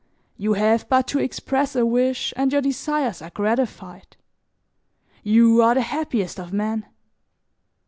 You have but to express a wish and your desires are gratified. You are the happiest of men.